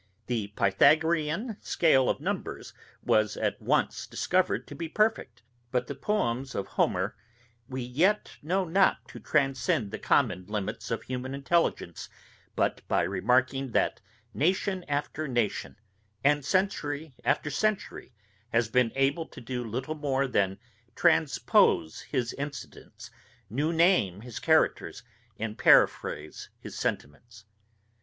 The Pythagorean scale of numbers was at once discovered to be perfect; but the poems of Homer we yet know not to transcend the common limits of human intelligence, but by remarking, that nation after nation, and century after century, has been able to do little more than transpose his incidents, new name his characters, and paraphrase his sentiments.